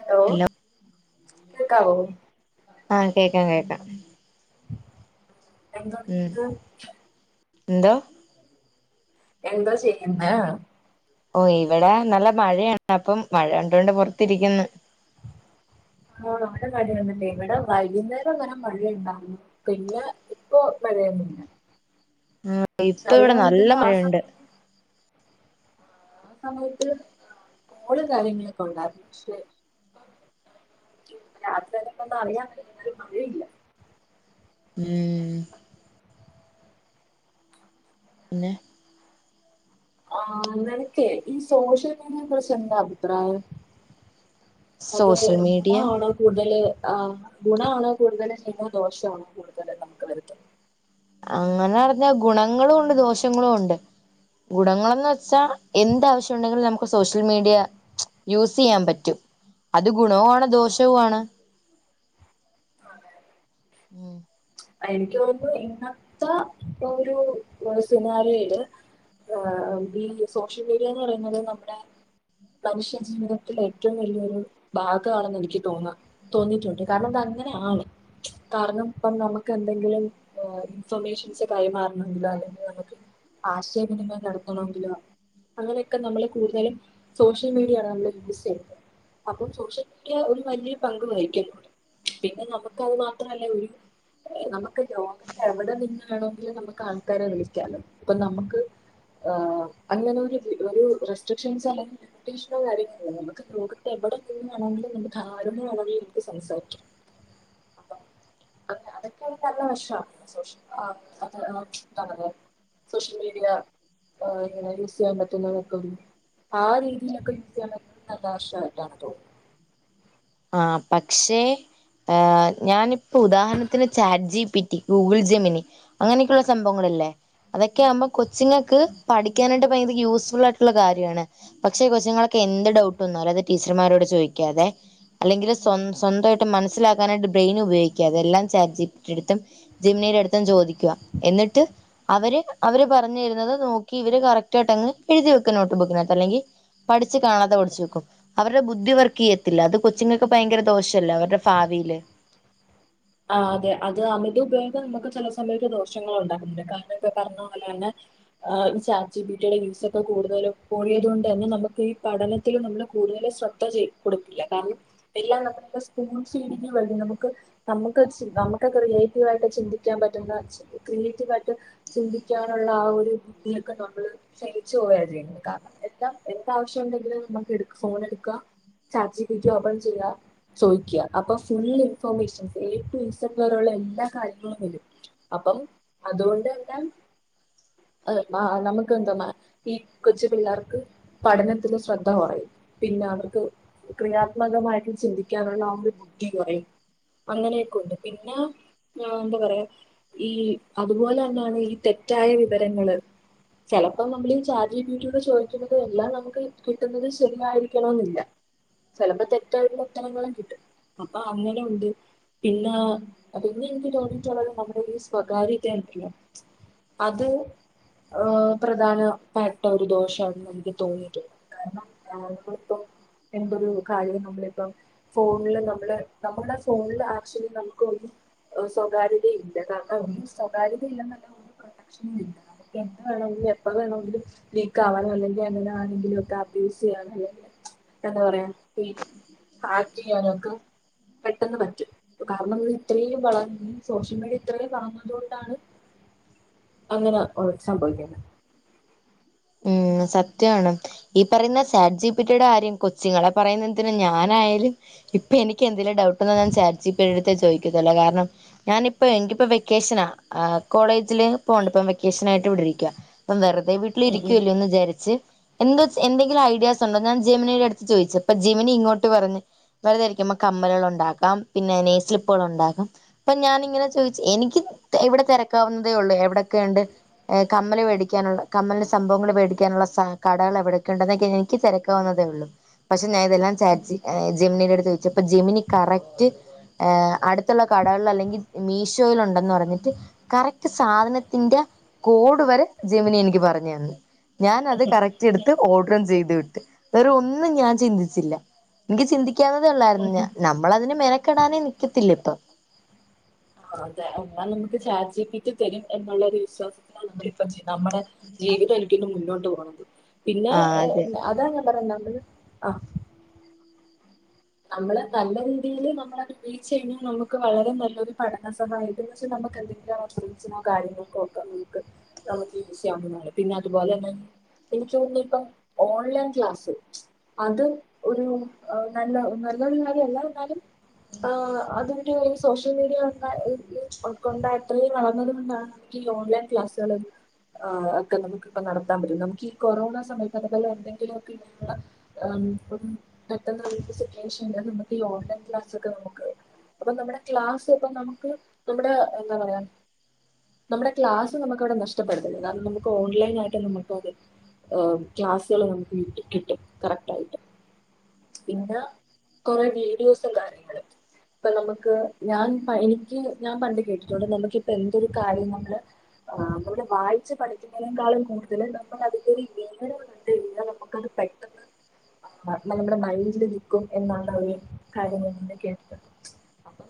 Hello കേക്കാവോ ആ കേക്കാം കേക്കാം [unintelligible] എന്താ എന്താ ചെയ്യുന്നേ ഓ ഇവിടെ നല്ല മഴയാണ് അപ്പം മഴ കണ്ടുകൊണ്ട് പുറത്തിരിക്കുന്നു ആഹ അവിടെ മഴല്ലേ. ഇവിടെ വൈകുന്നേരം ഇങ്ങനെ മഴ ഉണ്ടായിരുന്നു പിന്നെ ഇപ്പൊ മഴയൊന്നില്ല ഉം ഇപ്പ ഇവിടെ നല്ല മഴയുണ്ട് സമയത്ത് ആ സമയത്ത് [inaudible] കാര്യങ്ങളൊക്കെ ഉണ്ടായിരുന്നു പക്ഷെ രാത്രിയക്കന്നകൊണ്ട് അറിയാൻ മേലെ, പക്ഷെ മഴയില്ല ഉം പിന്നെ ആ നിനക്കേ ഈ സോഷ്യൽ മീഡിയയെ കുറച്ച് എന്താ അഭിപ്രായം അത് ഗുണ സോഷ്യൽ മീഡിയ ആണോ കൂടുതല് ആ ഗുണമാണോ കൂടുതല് ദോഷമാണോ കൂടുതൽ നമുക്ക് വരുത്തുന്നത് അങ്ങനെ പറഞ്ഞാ ഗുണങ്ങളും ഉണ്ട് ദോഷങ്ങളും ഉണ്ട് ഗുണങ്ങളന്ന് വെച്ചാ എന്താവശ്യം ഉണ്ടെങ്കിലും നമുക്ക് സോഷ്യൽ മീഡിയ യൂസ് ചെയ്യാൻ പറ്റും അത് ഗുണവുമാണ് ദോഷവുമാണ് ഉം എനിക്ക് തോനുന്നു ഇന്നത്തെ ഒരു [inaudible] ഈ സോഷ്യൽ മീഡിയന്ന് പറയുന്നത് നമ്മുടെ മനുഷ്യ ജീവിതത്തില ഏറ്റവും വലിയൊരു ഭാഗമാണെന്ന് എനിക്ക് തോന്നാ തോന്നിയിട്ടുണ്ട്. കാരണം അത് അങ്ങനെയ ആണ് കാരണം ഇപ്പം നമുക്ക് എന്തെങ്കിലും ഇൻഫർമേഷൻസ് കൈമാറണമെങ്കിലോ അല്ലെങ്കിൽ നമുക്ക് ആശയവിനിമയം നടത്തണമെങ്കിലോ അങ്ങനെയൊക്കെ നമ്മള് കൂടുതലും സോഷ്യൽ മീഡിയയാണ് നമ്മള് യൂസ് ചെയ്യുന്നത്. അപ്പൊ സോഷ്യൽ മീഡിയ ഒരു വലിയ പങ്ക് വഹിക്കുന്നുണ്ട്. പിന്നെ നമുക്ക് അത് മാത്രല്ല ഒരു അ നമുക്ക് ലോകത്തെ എവിടെ നിന്നാണെങ്കിലും നമുക്ക് ആൾക്കാരെ വിളിക്കാലോ. ഇപ്പൊ നമുക്ക് അങ്ങനെ ഒരു ഒരു റെസ്ട്രിക്ഷൻസോ അല്ലെങ്കിൽ ലിമിറ്റേഷനോ കാര്യങ്ങള നമുക്ക് ലോകത്തെ എവിടെ നിന്നാണെങ്കിലും നമുക്ക് ആരു വണെങ്കിലിൽ വിളിച്ച് സംസാരിക്കാം. [inaudible] നല്ല വശമാണ് [unintelligible] സോഷ്യൽ മീഡിയ ഇങ്ങനെ യൂസ് ചെയ്യാൻ പറ്റുന്നതൊക്കെ ആ രീതിയിലൊക്കെ യൂസ് ചെയ്യാൻ പറ്റുന്നുന്നത് നല്ല വശമായിട്ടാണ് തോന്നുന്നത് ആ പക്ഷേ ഞാനിപ്പോ ഉദാഹരണത്തിന് chat G P T, Google Gemini അങ്ങനെയൊക്കെയുള്ള സംഭവങ്ങളില്ലേ അതൊക്കെ ആവുമ്പോ കൊച്ചിങ്ങൾക്ക് പഠിക്കാനായിട്ട് ഭയങ്കര യൂസ്ഫുൾ ആയിട്ടുള്ള കാര്യമാണ്. പക്ഷെ കൊച്ചുങ്ങൾക്ക് എന്ത് ഡൗട്ട് വന്നാലും അത് ടീച്ചർമാരോട് ചോദിക്കാതെ അല്ലെങ്കിൽ സ്വ സ്വന്തമായിട്ട് മനസ്സിലാക്കാനായിട്ട് ബ്രെയിൻ ഉപയോഗിക്കാതെ എല്ലാം ചാറ്റ് ജി. പി. ടി അടുത്തും ജെമിനിയുടെ അടുത്തും ചോദിക്കുക. എന്നിട്ട് അവര് അവര് പറഞ്തരുന്നത് നോക്കി ഇവര് കറക്റ്റ് ആയിട്ട് അങ്ങ് എഴുതി വെക്ക നോട്ട് ബുക്കിനകത്ത്. അല്ലെങ്കിൽ പഠി കാണാതെ പഠിച്ചു വെക്കും അവരുടെ ബുദ്ധി വർക്കീയത്തില്ല അത് കൊച്ചുങ്കൾക്ക് ഭയങ്കര ദോഷല്ലോ അവരുടെ ഭാവിയില് ആ അതെ അത് അമിത ഉപയോഗം നമുക്ക് ചില സമയത്ത് ദോഷങ്ങൾ ഉണ്ടാക്കുന്നുണ്ട്. കാരണം ഇപ്പൊ പറഞ്ഞ പോലെ തന്നെ ഈ ചാറ്റ് ജി. പി. ടിയുടെ യൂസ് ഒക്കെ കൂടുതലും ഴിയത കൊണ്ട് തന്നെ നമുക്ക് ഈ പഠനത്തിൽ നമ്മള് കൂടുതൽ ശ്രദ്ധ ചെയ കൊടുക്കില്ല കാരണം എല്ലാം നമ്മ സ്കൂൾ വേണ്ടി നമുക്ക് നമുക്ക് നമുക്ക് ക്രിയേറ്റീവ ആയിട്ട് ചിന്തിക്കാൻ പറ്റുന്ന ക്രിയേറ്റീവ ആയിട്ട് ചിന്തിക്കാനുള്ള ആ ഒരു ബുദ്ധിയൊക്കെ നമ്മള് ക്ഷയിച്ചു പോയ ചെയ്യുന്നത് കാരണം എല്ലാം എന്താവവശ്യം ഉണ്ടെങ്കിലും നമുക്ക് എ ഫോൺ എടുക്കുക chat G. P. T open ചെയ്യ ചോദിക്ക അപ്പൊ ഫുൾ ഇൻഫർമേഷൻ [inaudible] എല്ലാ കാര്യങ്ങളും വരും അപ്പം അതുകൊണ്ട് തന്നെ നമുക്ക് എന്താ ഈ കൊച്ചു പിള്ളേർക്ക് പഠനത്തില് ശ്രദ്ധ കുറയും പിന്നെ അവർക്ക് ക്രിയാത്മകമായിട്ട് ചിന്തിക്കാനുള്ള അവടെ ബുദ്ധി കുറയും അങ്ങനെയൊക്കെ ഉണ്ട് പിന്നെ എന്താ പറയാ ഈ അതുപോലെ തന്നാണ് ഈ തെറ്റായ വിവരങ്ങള് ചിലപ്പോ നമ്മൾ ഈ ചാറ്റ് ജി. പി. ടി യോണ്ട് ചോദിക്കുന്നത് എല്ലാം നമുക്ക് കിട്ടുന്നത് ശരിയായിരിക്കണം എന്നില്ല ചിലപ്പോ തെറ്റായിട്ടുള്ള ഉത്തരങ്ങളും കിട്ടും അപ്പൊ അങ്ങനെ ഉണ്ട് പിന്നെ പിന്നെ എനിക്ക് തോന്നിയിട്ടുള്ളത് നമ്മുടെ ഈ സ്വകാര്യത ഉണ്ടല്ലോ അത് ഏ പ്രധാനപ്പെട്ട ഒരു ദോഷമാണെന്ന് എനിക്ക് തോന്നിയിട്ടുള്ള കാരണം നമ്മളിപ്പം എന്തരു കാര്യം നമ്മളിപ്പം ഫോണില് നമ്മള് നമ്മുടെ ഫോണിൽ ആക്ഷലി നമുക്ക ഒരുരു സ്വകാര്യത ഇല്ല കാരണം ഒരു സ്വകാര്യതയില്ല നല്ല പ്രൊട്ടക്ഷന ഇല്ല നമുക്ക് എന്തന്ത് വേണമെങ്കിലും എപ്പ വേണമെങ്കിലും ലീക്ക് ആവാനോ അല്ലെങ്കിൽ എങ്ങനെ ആണെങ്കിലും ഒക്കെ അബ്യൂസ് ചെയ്യാനോ അല്ലെങ്കിൽ എന്താ പറയാ പിന്നെ ഹാക്ക് ചെയ്യാന ഒക്കെ പെട്ടെന്ന് പറ്റും കാരണം ഇത്രയും വളർ സോഷ്യൽ മീഡിയ ഇത്രയും വളർന്നതുക കൊണ്ടാണ് അങ്ങനെ സംഭവിക്കുന്നത് ഉ സത്യമാണ് ഈ പറയുന്ന സാറ്റ് ജി. പി. ടി യുടെ കാര്യം കൊച്ചിങ്ങലെ പറയുന്നതതിന ഞാനായാലും ഇപ്പൊ എനിക്ക് എന്തേലിലും ഡൗട്ടതോന്നിയ ഞാൻ സാറ്റ് ജി. പി. ടി ത്തെ ചോദിക്കുന്നല്ലോ കാരണം ഞാനിപ്പോ എനിക്കിപ്പോ വെക്കേഷനാ കോളേജ് [inaudible] വെക്കേഷൻ ആയി ഇരിക്ക അപ്പൊ വെറുതെ വീട്ടിൽ ഇരി ഉം ക്കല്ലോന്ന് വിചാരിച്ച് എന്ത എന്തെങ്കിലും ഐഡിയാസ് ഉണ്ടോ ഞാൻ ജെമിനിയുടെ അടുത്ത് ചോദിച്ചു അപ്പൊ ജെമനി ഇങ്ങോട്ട് പറഞ്ഞ് വെറുതെ ഇരിക്കുമ്പോൾ കമ്മലുകൾ ഉണ്ടാക്കാം പിന്നെ നെ സ്ലിപ്പുകൾ ഉണ്ടാക്കാം അപ്പൊ ഞാാനിങ്ങനെ ചോദിു എനിക്ക് എവിടെ തിരക്കാവുന്നതേ ഉള്ളൂ എവിടെയൊക്കെ ഉണ്ട് കമ്മല് മേടിക്കാനുള്ള കമ്മല സംഭവങ്ങങ്ങള് വേടിക്കാനുള്ള കടകൾ എവിടൊക്കെ ഉണ്ടെന്നൊക്കെ എനിക്ക് തിരക്കാവുന്നതേ ഉള്ളൂ പക്ഷേ ഞാൻ ഇതെല്ലാം ചാറ്റ് ഉം ജി ജെമിനിയുടെ അടു അപ്പ ജമിനി കറക്റ്റ് അടുത്തുള്ള കടകളിൽ അല്ലെങ്കിൽ മീഷോൽ ഉണ്ടെന്ന് പറഞ്ഞിട്ട് കറക്റ്റ് സാധനത്തിന്റെ കോഡ് വരെ ജെമിനി എനിക്ക് പറഞ്ഞു [unintelligible] ഞാൻ അത് കറക്റ്റ് എടുത്ത് ഓർഡറും ചെയ് വിട്ട് ഒന്നും ഞാൻ ചിന്തിച്ചില്ല എനിക്ക് ചിന്തി ചിന്തിക്കവുനാധേ ഒല്ലായിരുന്നു നമ്മളതിന് മെന കടാന്നേ നിക്കത്തില്ല ഇപ്പം ആ അതെ എന്നാൽ നമുക്ക് ചാറ്റ് ജിപിക്ക് തരും എന്നൊള്ളൊരു വിശ്വാസത്തിലാണ് നമ്മളിപ്പ ചെയ് നമ്മടെ ജീവിതം ഒരിക്കലും മുന്നോട്ട് പോ വളമ്പ് പിന്നെ ആഹ് അതെ അ അതാ പറ [unintelligible] അ നമ്മള് കണ്ട രീതീല് നമ്മളെ റീച്ച് കഴിഞ്ഞാൽ നമുക്ക് വളരെ നല്ലൊരു പഠന സഹായത്ത്ന്ന്ച്ചാൽ നമുക്ക് എന്തെങ്കിലും ഫരൻസിനോ കാര്യങ്ങൾക്കോ ഒക്കെ നമുക്ക് നമുക്ക് യൂസ് ചെയ്യാവുന്നതാണ് പിന്നെ അതുപോലെ തന്നെ എനിക്ക് തോന്നുന്നു ഇപ്പം ഓൺലൈൻ ക്ലാസ്സ് അത് ഒരു അ നല്ല നല്ലോരു കാര്യല്ല എന്നാലും ആ അത് സോഷ്യൽ മീഡിയ ഉം ഉം കൊണ്ടിത്രം വളർന്നതിന്നാണ് ഈ ഓൺലൈൻ ക്ലാസുകള് ഒക്കെ ആ നമുക്ക് ഇപ്പോ നടത്താൻ പറ്റുന്ന നമുക്കീ കൊറോണ സമയത്തൊക്കെ തന്നെ എന്തെങ്കിലുമൊക്കെ അ എം പെട്ട സിറ്റ്വഷന് നമക്കീ ഓൺലൈൻ ക്ലാസൊക്കെ നമുക്ക് അപ്പൊ നമ്മടെ ക്ലാസ്സ് ഇപ്പ നമുക്ക് നമ്മുടെ എന്താ പറയാ നമ്മടെ ക്ലാസ്സ് നമുക്കവിടെ നഷ്ടപ്പെടത്തില്ല കാരണം നമുക്ക് ഓൺലൈൻ ആയിട്ട് നമുക്ക് അത് ആ ക്ലാസുകൾ നമുക്ക് കിട്ടും കറക്ടായിട്ട് പിന്നെ കൊറെ വീഡിയോസും കാര്യങ്ങള് ഇപ്പൊ നമക്ക് ഞാൻ എനിക്ക് ഞാൻ പണ്ട് കേട്ടിട്ടുണ്ട് നമുക്കിപ്പ എന്തൊരു കാര്യം നമ്മള് നമ്മള് വായിച്ച് പഠിക്കുന്നതിനേക്കാളും കൂടുതൽ നമ്മള് അതിന്റെ ഒരു വെവര ഉണ്ട് നമുക്ക്ത് പെട്ടെന്ന് നമ്മുടെ മൈൻഡ നിും എന്നാണ് അവ കാര്യങ്ങൾെ കേടട്ടത് അപ്പൊ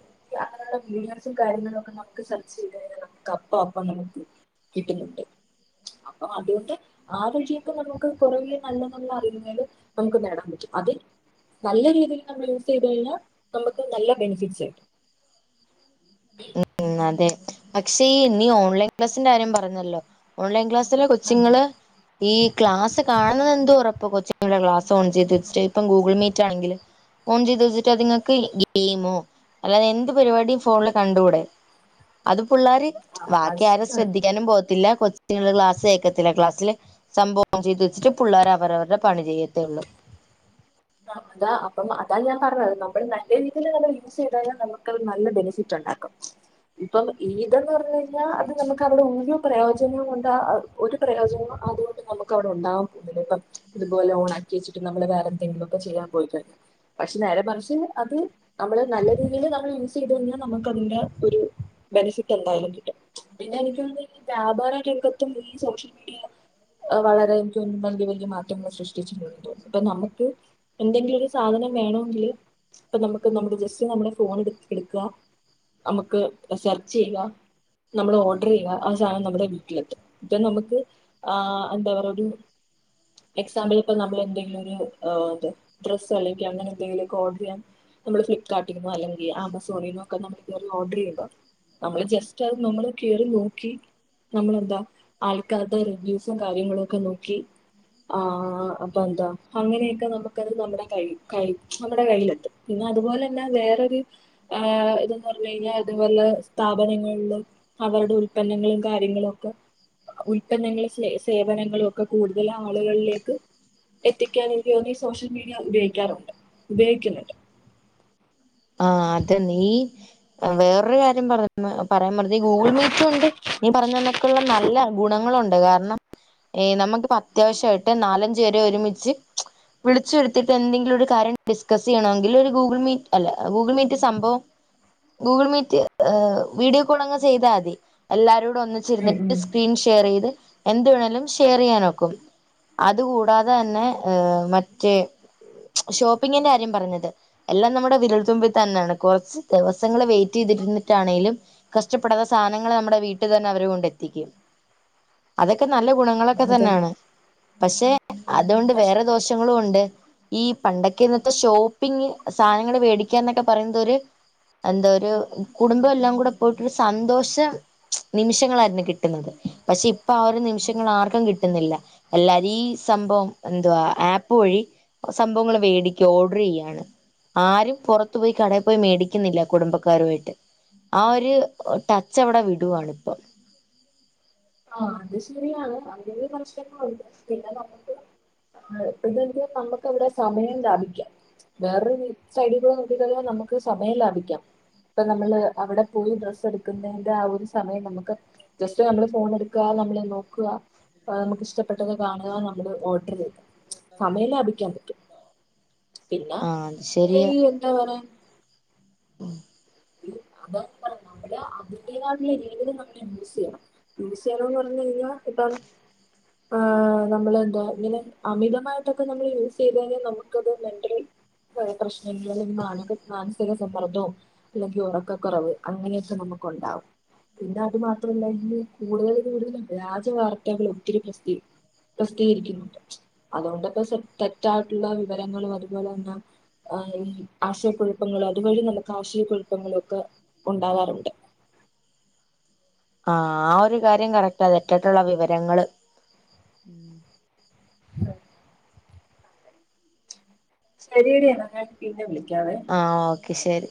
അങ്ങനെയുള്ള വീഡിയോസും കാര്യങ്ങളും ഒക്കെ നമുക്ക് സെർച്ച് ചെയ്യാൻ നമുക്ക് അപ്പോ അപ്പോ നമുക്ക് കിട്ടുന്നുണ്ട് അപ്പൊ അതുകൊണ്ട് ആ വഴിയൊക്കെ നമുക്ക് കുറേ നല്ല നല്ല അറിവുകള് നമുക്ക് നേടാൻ പറ്റും അത് നല്ല രീതിയിൽ നമ്മൾ യൂസ് ചെയ്ത് കഴിഞ്ഞാൽ നമുക്ക് നല്ല ബെനിഫിറ്റ്സ് കിട്ടും ഉം ഉം അതെ പക്ഷേ ഈ ഇന്നീ ഓൺലൈൻ ക്ലാസിന്റെ കാര്യം പറഞ്ഞല്ലോ ഓൺലൈൻ ക്ലാസ് ചില കൊച്ചുങ്ങള് ഈ ക്ലാസ് കാണുന്ന് എന്ത് ഉറപ്പ് ഇപ്പൊ കൊച്ച് ക്ലാസ് ഓൺ ചെയ്ത് വെച്ചിട്ട് ഇപ്പ ഗൂഗിൾ മീറ്റ് ആണെങ്കില് ഓൺ ചെയ്ത് വെച്ചിട്ട് അതിങ്ങക്ക് ഗെയിമോ അങ്ങനെ എന്ത് പരിപാടീം ഫോണില് കണ്ടൂടെ അത് പിള്ളാര് ആ അത് ബാക്കി ആരും ശരിയാണ് ശ്രദ്ധിക്കാനും പോവത്തില്ല കൊച്ചങ്ങടെ ക്ലാസ് കേക്കത്തില്ല ക്ലാസ്സില് സംഭവം ഓൺ ചെയ്തു വെച്ചിട്ട് പിള്ളേര് അവവരുടെ പണി ചെയ്യ് തേള്ളൂ ആ അതാ അപ്പം അതാ ഞാൻ പറഞ്ഞത് നമ്മള് നല്ല രീതിലത് നമ്മള് യൂസ് ചെയ്താല് നമുക്കത് നല്ല ബെനിഫിറ്റ് ഉണ്ടാക്കും ഇപ്പം ഇതെന്ന് പറഞ്ഞു കഴിഞ്ഞാ അത് നമുക്ക് അവിടെ ഒരു പ്രയോജനവും കൊണ്ട് ഒരു പ്രയോജനവും അതുകൊണ്ട് നമുക്ക് അവിടെ ഉണ്ടാവാൻ പോകില്ല ഇപ്പം ഇതുപോലെ ഓണ ആക്കി വെച്ചിട്ട് നമ്മള് വേറെ എന്തെലൊക്കെ ചെയ്യാൻ പോയി കയിഞ്ഞു പക്ഷെ നേരെ മറിച്ച് അത് നമ്മള് നല്ല രീതിയിൽ നമ്മൾ യൂസ് ചെയ്ത് കഴിഞ്ഞാൽ നമുക്ക് അതിന്റെ ഒരു ബെനിഫിറ്റ് എന്തായാലും കിട്ടും പിന്നെ എനിക് തോന്നത് ഈ വ്യാപാര രംഗത്തും ഈ സോഷ്യൽ മീഡിയ വളരെ എനിക്ക് തോന്ന് വലിയ വലിയ മാറ്റങ്ങൾ സൃഷ്ടിച്ചിട്ടുെന്ന് തോന്നുന്നു അപ്പൊ നമുക്ക് എന്തെങ്കിലും ഒരു സാധനം വേണോങ്കില് ഇപ്പൊ നമുക്ക് നമ്മടെ ജസ്റ്റ് നമ്മുടെ ഫോണ് എടുത്ത് എടുക്കുക നമുക്ക് സെർച്ച് ചെയ്ക നമ്മൾ ഓർഡർ ചെയ്ക ആ സാധനം നമ്മുടെ വീട്ടിലെത്തും ദെൻ നമുക്ക് ആ എന്താ പറ ഒരു എക്സാമ്പിൾ ഇപ്പ നമ്മൾ എന്തെങ്കിലും ഒരു ആ ത് ഡ്രസ്സ് അല്ലെങ്കിൽ അങ്ങനെ എന്തെങ്കിലൊക്കെ ഓർഡർ ചെയ്യാൻ നമ്മള് ഫ്ലിപ്കാർട്ടിനോ അല്ലെങ്കിൽ ആമസോണിനോ ഒക്കെ നമ്മൾ കേറി ഓർഡർ ചെയ്ക നമ്മൾ ജസ്റ്റ് അത് നമ്മൾ കേറി നോക്കി നമ്മളെന്താ ആൾക്കാരുടെ റിവ്യൂസും കാര്യങ്ങളൊക്കെ നോക്കി ആ ആ അപ്പൊ എന്താ അങ്ങനെയൊക്കെ നമുക്കത് നമ്മുടെ കൈ കൈ നമ്മുടെ കയ്യിലെത്തും പിന്നെ അതുപോലെ തന്നെ വേറൊരു എ ഇതന്ന് പറഞ്ഞു കഴിഞ്ഞാൽ അതുപോലെ സ്ഥാപനങ്ങളിലും അവരുടെ ഉൽപന്നങ്ങളും കാര്യങ്ങളും ഒക്കെ ഉൽപന്നങ്ങളും സ്‌നേ സേവനങ്ങളും ഒക്കെ കൂടുതല് ആളുകളിലേക്ക് എത്തി എനിക്കാണെങ്കി ഒന്ന് സോഷ്യൽ മീഡിയ ഉപയോഗിക്കാറുണ്ട് ഉപയോഗിക്കുന്നുണ്ട് ആ അത് നീ വേറൊരു കാര്യം പറ പറയാൻ വന്നത് ഈ ഗൂഗിൾ മീറ്റും ഉണ്ട് നീ പറഞ്ഞ ന്നക്കുള്ള നല്ല ഗുണങ്ങളുണ്ട് അതു കാരണം എ നമുക്കിപ്പോ അത്യാവശ്യായിട്ട് നാലഞ്ച് പേരെ ഒരുമിച്ച് ച്ച് വിളിച്ചു വരുത്തീട്ട് എന്തെങ്കിലും ഒരു കാര്യം ഡിസ്കസ് ചെയ്യണെങ്കിൽ ഒരു ഗൂഗിൾ മീറ്റ് അല്ല ഗൂഗിൾ മീറ്റ് സംഭവം ഗൂഗിൾ മീറ്റ് എ് വീഡിയോ കോൾങ്ങ് ചെയ്താൽ മതി എല്ലാരും ഉം ഒന്നിച്ചിരുന്നിട്ട് ഉം സ്ക്രീൻ ഷെയർ ചെയ്ത് എന്ത് വേണേലും ഷെയർ ചെയ്യാനൊക്കും അതുകൂടാതെ തന്നെ മറ്റേ ഷോപ്പിങ്ങിന്റെ കാര്യം പറഞ്ഞത് എല്ലാം നമ്മുടെ വിരുൾത്തുമ്പിൽ തന്നാണ് കുറച്ച് ദിവസങ്ങള് വെയിറ്റ് ചെയ്തിരുന്നിട്ടാണെങ്കിലും കഷ്ടപ്പെടുന്ന സാധനങ്ങൾ നമ്മുടെ വീട്ടിൽ തന്നെ അവരെ കൊണ്ട് എത്തിക്കും അതൊക്കെ നല്ല ഗുണങ്ങളൊക്കെ അതെ തന്നാണ് പക്ഷെ അതുകൊണ്ട് പക്ഷെ വേറെ ദോഷങ്ങളും ഉണ്ട് ഈ പണ്ടക്കെ ഇന്നത്തെ ഷോപ്പിങ് സധന മേടിക്കാന്നൊക്കെ പറയുന്നത് ഒരു എന്താ ഒരു കുടുംബം എല്ലാം കൂടെ പോയിട്ടൊരു സന്തോഷ നിമിഷങ്ങളായിരുന്നു കിട്ടുന്നത് പക്ഷെ ഇപ്പൊ ആ ഒരു നിമിഷങ്ങൾ ആർക്കും കിട്ടുന്നില്ല എല്ലാരും ഈ സംഭവം എന്തവാ ആപ്പ് വഴി സംഭവങ്ങൾ വേടിക്കുക ഓർഡർ ചെയ്യാണ് ആരും പുറത്തു പോയി കടയിൽ പോയി മേടിക്കുന്നില്ല കുടുംബക്കാരുമായിട്ട് ആ ഒരു ടച്ച് അവിടെ വിടുവാണിപ്പം ആ അത് ശരിയാണ് അങ്ങനെ പ്രശ്നങ്ങളുണ്ട് പിന്നെ നമുക്ക് നമുക്കിവിടെ സമയം ലാഭിക്കാം വേറൊരു സൈഡിലൂടെ നോക്കിക്കഴിഞ്ഞാൽ നമുക്ക് സമയം ലാഭിക്കാം ഇപ്പൊ നമ്മള് അവിടെ പോയി ഡ്രസ് എടുക്കുന്നതിന്റെ ആ ഒരു സമയം നമുക്ക് ജസ്റ്റ് നമ്മള് ഫോണ്ഇട്ക്കാ നമ്മള് നോക്ക [unintelligible] നമുക്കിഷ്ടപ്പെട്ടത് കാണുക നമ്മള് ഓർഡർ ചെയ്യ സമയം ലാഭിക്കാൻ പറ്റും പിന്നെ ആ അത് ശരിയാ ഈ എന്താ പറയാൻ അതാ പറഞ്ഞത് നമ്മള് അതിന്റെതായിട്ടുള്ള രീതിയിൽ നമ്മള് യൂസ് ചെയ്യണം യൂസ് ചെയ്യാണെന്ന് പറഞ്ഞു കഴിഞ്ഞാ ഇപ്പ ആ നമ്മൾ എന്താ ഇങ്ങനെ അമിതമായിട്ടൊക്കെ നമ്മൾ യൂസ് ചെയ്ത് കഴിഞ്ഞാൽ നമുക്കത് മെന്റൽ പ്രശ്നങ്ങൾ അല്ലെങ്കിൽ മാനസിക സമ്മർദ്ദവും അല്ലെങ്കിൽ ഉറക്കക്കുറവ് അങ്ങനെയൊക്കെ നമുക്കുണ്ടാവും പിന്നെ അത് മാത്രല്ല ഇനി കൂടുതൽ കൂടുതൽ വ്യാജ വാർത്തകൾ ഒത്തിരി പ്ര പ്രസിദ്ധീകരിക്കുന്നുണ്ട് അതുകൊണ്ടപ്പോ തെറ്റായിട്ടുള്ള വിവരങ്ങളും അതുപോലെ തന്നെഈ ആശയക്കുഴപ്പങ്ങളും അതുവഴി നമുക്ക് ആശയക്കു കുഴപ്പങ്ങളൊക്കെ ഉണ്ടാവാറുണ്ട് ആഹ ആ ഒരു കാര്യം കറക്ട്ടാ തെറ്റിട്ടുള്ള വിവരങ്ങള് [inaudible] [unintelligible] ശരിഎടി എന്നാ ഞാൻ പിന്നെ വിളിക്ക ആഹ ഓക്കെ ശരി